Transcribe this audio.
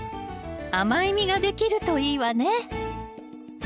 甘い実ができるといいわね。